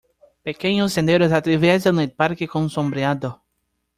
Pequeños senderos atraviesan el parque con sombreado.